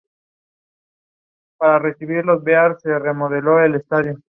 Localizado en el jardín se ubica el "North American Game Warden Museum".